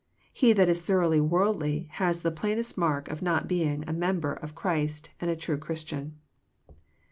He that is thoroughly worldly has the plainest mark of not being a member of Christ and a true Christian.